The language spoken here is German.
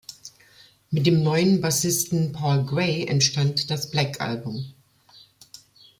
Mit dem neuen Bassisten Paul Gray entstand das "Black Album".